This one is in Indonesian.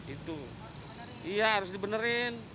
iya harus dibenerin